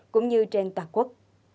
cũng như trên toàn quốc